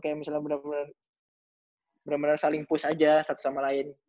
kayak misalnya benar benar saling push aja satu sama lain